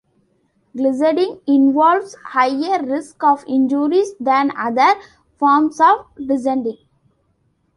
Glissading involves higher risks of injuries than other forms of descending.